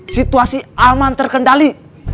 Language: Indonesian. situasi aman terkendali